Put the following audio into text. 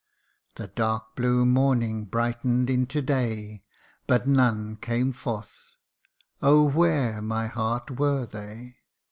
That dark blue morning brighten'd into day But none came forth oh ! where, my heart, were they